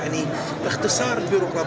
anda harus membutuhkan